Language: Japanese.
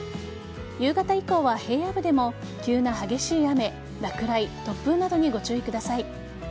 夕方以降は平野部でも急な激しい雨落雷、突風などにご注意ください。